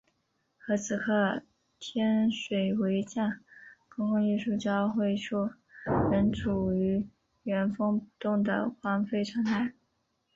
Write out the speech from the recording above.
而此刻天水围站公共运输交汇处仍处于原封不动的荒废状态。